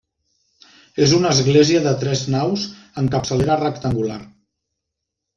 És una església de tres naus amb capçalera rectangular.